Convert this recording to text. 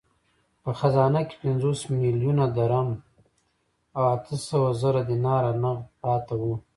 په خزانه کې پنځوس میلیونه درم او اته سوه زره دیناره نغد پاته وو.